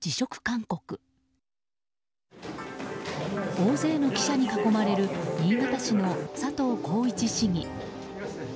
大勢の記者に囲まれる新潟市の佐藤耕一市議。